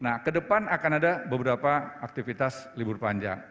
nah ke depan akan ada beberapa aktivitas libur panjang